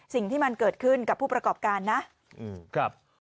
สิ่งที่มันเกิดขึ้นกับผู้ประกอบการนะครับ